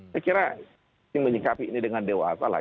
saya kira menyikapi ini dengan dewasa lah